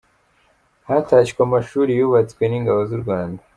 Hatashywe amashuri yubatswe n’ingabo z’u Rwanda